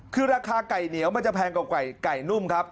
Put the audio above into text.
คือราคาไก่เหนียวมันจะแพงกว่าไก่นุ่มครับ